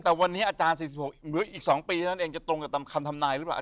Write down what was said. แต่วันนี้อาจารย์๔๖หรืออีก๒ปีเท่านั้นเองจะตรงกับคำทำนายหรือเปล่า